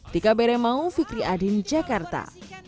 dika beremaung fikri adin jakarta